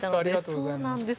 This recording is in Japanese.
ありがとうございます。